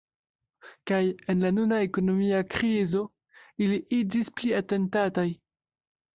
Kaj en la nuna ekonomia krizo ili iĝis pli atentataj.